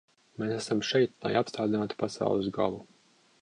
Mēs esam šeit, lai apstādinātu pasaules galu.